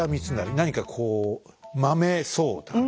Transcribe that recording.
何かこうまめそうだから。